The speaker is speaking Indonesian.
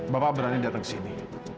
bapak berani datang kesini